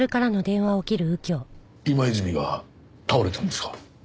今泉が倒れたんですか？